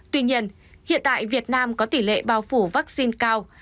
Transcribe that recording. tuy nhiên hiện tại việt nam có tỷ lệ bao phủ vaccine cao